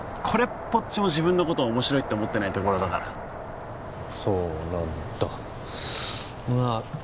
これっぽっちも自分のことを面白いって思ってないところだからそうなんだまあ